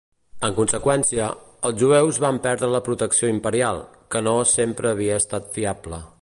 En conseqüència, els jueus van perdre la protecció imperial, que no sempre havia estat fiable.